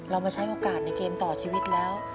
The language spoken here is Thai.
เรามาใช้โอกาสในเกมต่อชีวิตแล้ว